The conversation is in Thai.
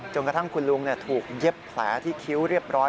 กระทั่งคุณลุงถูกเย็บแผลที่คิ้วเรียบร้อย